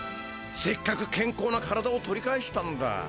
せっかくけんこうな体を取り返したんだ。